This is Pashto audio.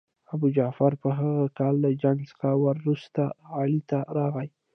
ابوجعفر په هغه کال له جنګ څخه وروسته علي ته راغی.